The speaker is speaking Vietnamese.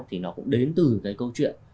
thì nó cũng đến từ cái câu chuyện